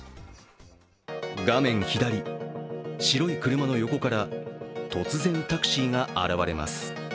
画面左、白い車の横から突然、タクシーが現れます。